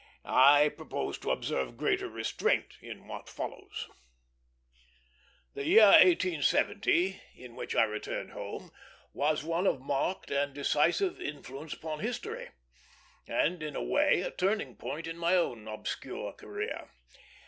I purpose to observe greater restraint in what follows. The year 1870, in which I returned home, was one of marked and decisive influence upon history, and in a way a turning point in my own obscure career.